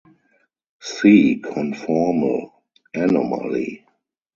See conformal anomaly.